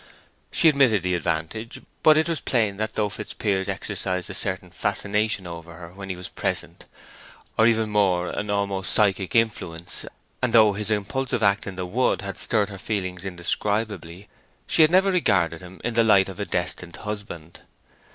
She admitted the advantage; but it was plain that though Fitzpiers exercised a certain fascination over her when he was present, or even more, an almost psychic influence, and though his impulsive act in the wood had stirred her feelings indescribably, she had never regarded him in the light of a destined husband.